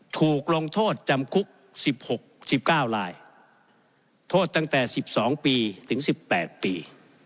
ถูกลงโทษจำคุกสิบหกสิบเก้าลายโทษตั้งแต่สิบสองปีถึงสิบแปดปี